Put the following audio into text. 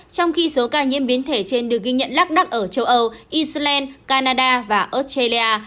trong khi số ca nhiễm biến thể trên được ghi nhận lắc đắc ở châu âu israel canada và australia